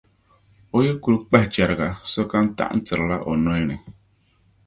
O yi kuli kpahi chɛriga, so kam taɣintirila o nolini.